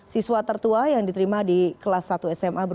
siswa tertua yang diterima di kelas satu sma